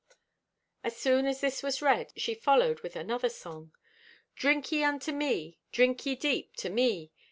As soon as this was read, she followed with another song: Drink ye unto me. Drink ye deep, to me.